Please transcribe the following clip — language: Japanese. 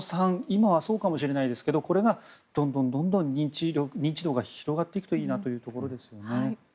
今はそうかもしれないですけどどんどん認知度が広がっていくといいなというところですよね。